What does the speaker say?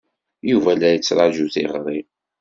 Yuba la yettṛaju tiɣri.